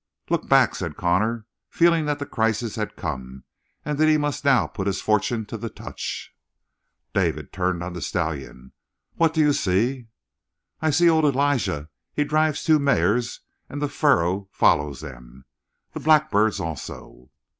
"Look back," said Connor, feeling that the crisis had come and that he must now put his fortune to the touch. David turned on the stallion. "What do you see?" "I see old Elijah. He drives the two mares, and the furrow follows them the blackbirds also."